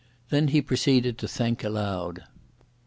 Then he proceeded to think aloud.